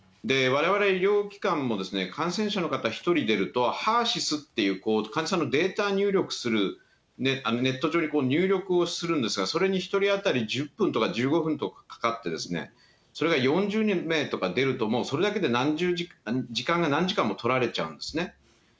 われわれ医療機関も、感染者の方、１人出るとＨＥＲーＳＹＳっていう患者さんのデータ入力する、ネット上に入力をするんですが、それに１人当たり１０分とか１５分とかかかって、それが４０名とか出るともうそれだけで時間が何時間も取られちゃうんですね。